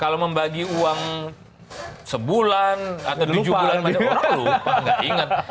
kalau membagi uang sebulan atau tujuh bulan pada waktu lupa nggak ingat